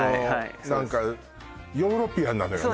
何かヨーロピアンなのよね